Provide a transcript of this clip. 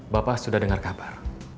bapak sudah dengar kabar